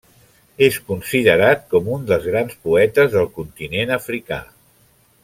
És considerat com dels grans poetes del continent africà.